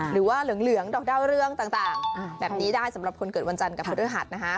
หรือว่าเหลืองดอกดาวเรืองต่างแบบนี้ได้สำหรับคนเกิดวันจันทร์กับพฤหัสนะคะ